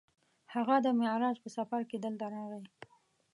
هغه د معراج په سفر کې دلته راغی.